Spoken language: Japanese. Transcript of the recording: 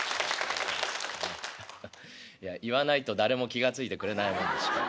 言わないと誰も気が付いてくれないもんでして。